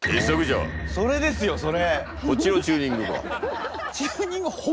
それですよそれ！